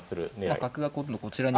角が今度こちらに。